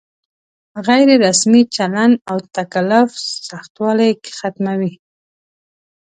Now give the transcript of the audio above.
غیر رسمي چلن او تکلف سختوالی ختموي.